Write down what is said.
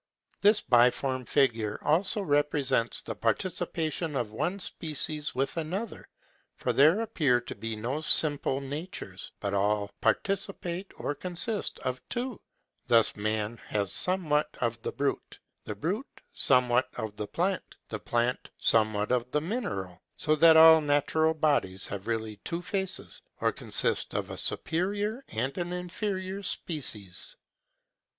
This biform figure also represents the participation of one species with another; for there appear to be no simple natures, but all participate or consist of two: thus, man has somewhat of the brute, the brute somewhat of the plant, the plant somewhat of the mineral; so that all natural bodies have really two faces, or consist of a superior and an inferior species.